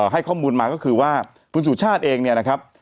ให้ข้อมูลมาก็คือว่าคุณสุชาติเองเนี่ยนะครับ